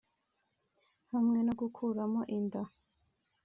hamwe no gukuramo inda